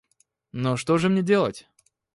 Но что же мне делать?